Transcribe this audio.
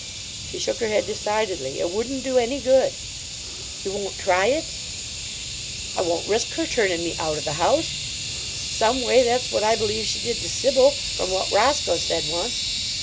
She shook her head decidedly. "It wouldn't do any good." "You won't try it?" "I won't risk her turnin' me out o' the house. Some way, that's what I believe she did to Sibyl, from what Roscoe said once.